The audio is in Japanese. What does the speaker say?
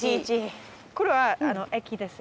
これは駅です。